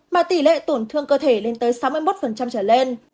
mà tỷ lệ tổn thương cơ thể lên tới sáu mươi một trở lên